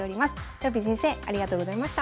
とよぴー先生ありがとうございました。